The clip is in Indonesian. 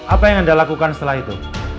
apa yang anda lakukan setelah itu